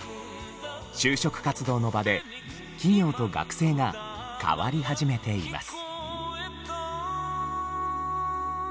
就職活動の場で企業と学生が変わり始めています。